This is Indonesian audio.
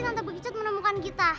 tante mbak kijot pasti menemukan kita